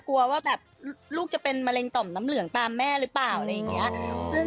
กลัวว่าแบบลูกจะเป็นมะเร็งต่อมน้ำเหลืองตามแม่หรือเปล่าอะไรอย่างนี้